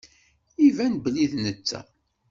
Iban belli d netta.